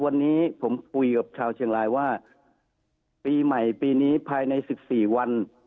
วันนี้ผมคุยกับชาวเชียงรายว่าปีใหม่ปีนี้ภายใน๑๔วัน